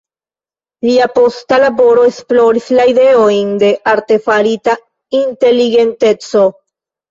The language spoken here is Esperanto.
Lia posta laboro esploris la ideojn de artefarita inteligenteco.